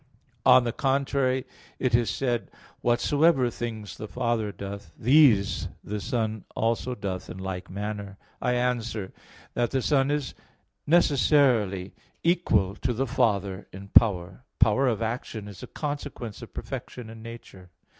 On the contrary, It is said (John 5:19): "Whatsoever things the Father doth, these the Son also doth in like manner." I answer that, The Son is necessarily equal to the Father in power. Power of action is a consequence of perfection in nature.